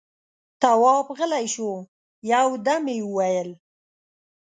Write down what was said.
تواب غلی شو، يودم يې وويل: